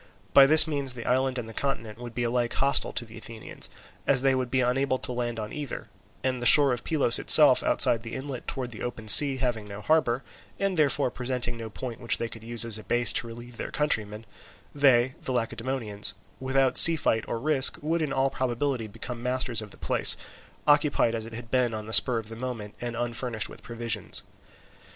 By this means the island and the continent would be alike hostile to the Athenians, as they would be unable to land on either; and the shore of Pylos itself outside the inlet towards the open sea having no harbour, and, therefore, presenting no point which they could use as a base to relieve their countrymen, they, the Lacedaemonians, without sea fight or risk would in all probability become masters of the place, occupied as it had been on the spur of the moment, and unfurnished with provisions.